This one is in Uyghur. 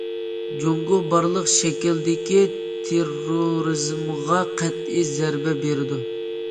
جۇڭگو بارلىق شەكىلدىكى تېررورىزمغا قەتئىي زەربە بېرىدۇ.